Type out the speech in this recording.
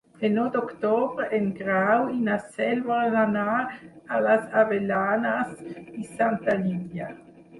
El nou d'octubre en Grau i na Cel volen anar a les Avellanes i Santa Linya.